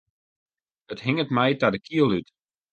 It hinget my ta de kiel út.